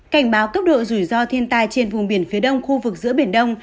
cảnh báo cấp độ rủi ro thiên tai trên vùng biển phía đông khu vực giữa biển đông